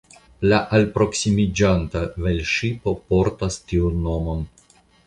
La alproksimiĝanta velŝipo portas tiun nomon.